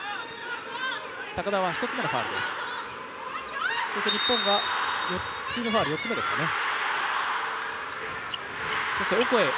高田は１つ目のファウルです、日本はファウル４つ目ですかね。